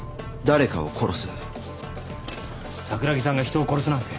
桜木さんが人を殺すなんて。